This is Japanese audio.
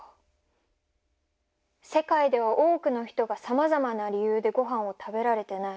世界では多くの人がさまざまな理由でごはんを食べられてない。